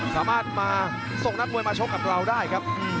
สามารถมาส่งนักมวยมาชกกับเราได้ครับ